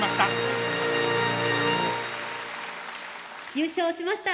優勝しました